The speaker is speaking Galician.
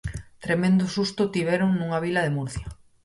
Tremendo susto tiveron nunha vila de Murcia.